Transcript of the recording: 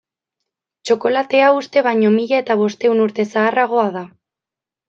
Txokolatea uste baino mila eta bostehun urte zaharragoa da.